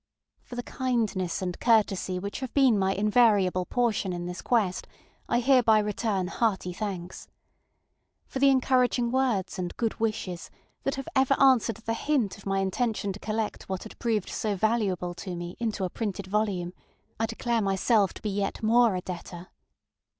For the kindness and courtesy which have been my invariable portion in this quest, I hereby return hearty thanks. For the encouraging words and good wishes that have ever answered the hint of my intention to collect what had proved so valuable to me into a printed volume, I declare myself to be yet more a debtor.